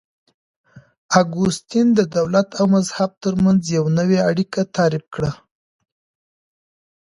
اګوستين د دولت او مذهب ترمنځ يوه نوې اړيکه تعريف کړه.